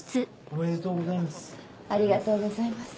おめでとうございます。